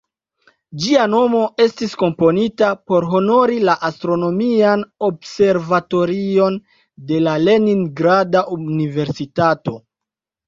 Ĝia nomo estis komponita por honori la "Astronomian Observatorion de la Leningrada Universitato".